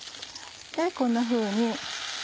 こんなふうに。